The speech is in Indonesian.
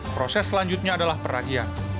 proses selanjutnya adalah peragihan